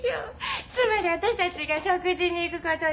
つまりわたしたちが食事に行くことです。